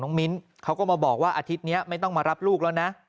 มิ้นเขาก็มาบอกว่าอาทิตย์นี้ไม่ต้องมารับลูกแล้วนะ